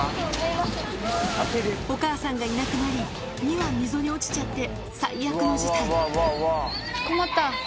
お母さんがいなくなり、２羽、溝に落ちちゃって最悪の事態。